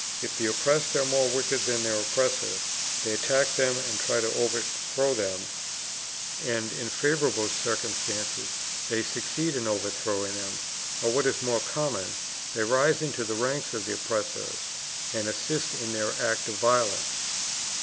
If the oppressed are more wicked than their oppressors, they attack them and try to overthrow them; and in favorable circumstances they succeed in overthrowing them, or what is more common, they rise into the ranks of the oppressors and assist in their acts of violence.